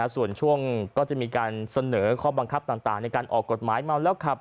ส่วนช่วงก็จะมีการเสนอข้อบังคับต่างในการออกกฎหมายเมาแล้วขับ